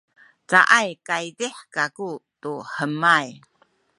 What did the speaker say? cayay kaydih kaku tu hemay